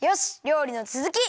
りょうりのつづき！